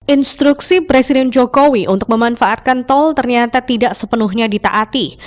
instruksi presiden jokowi untuk memanfaatkan tol ternyata tidak sepenuhnya ditaati